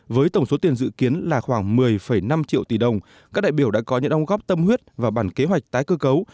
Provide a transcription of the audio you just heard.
với tổng số tiền dự kiến là khoảng một mươi năm triệu tỷ đồng các đại biểu đã có những đồng góp tâm huyết và bản kế hoạch tái cơ cấu